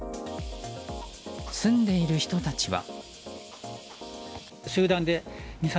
住んでいる人たちは。